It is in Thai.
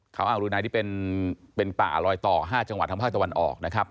เขาอ่างรืนัยที่เป็นป่าลอยต่อ๕จังหวัดทางภาคตะวันออกนะครับ